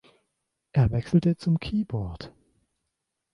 Er wechselte zum Keyboard.